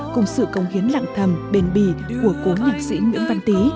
cùng sự công hiến lặng thầm bền bì của cố nhạc sĩ nguyễn văn tý